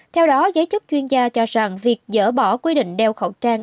theo đó giới chức chuyên gia cho rằng việc dỡ bỏ quy định đeo khẩu trang